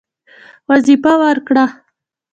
وظیفه ورکړه.